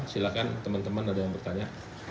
silahkan teman teman ada yang bertanya